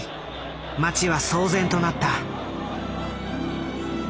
街は騒然となった。